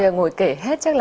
chứ còn ngồi kể hết chắc là